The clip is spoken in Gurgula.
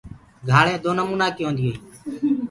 گھآݪینٚ دو نمونآ ڪي هونديو هينٚ۔